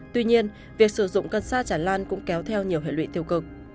tuy nhiên việc sử dụng cần xa tràn lan cũng kéo theo nhiều hệ lụy tiêu cực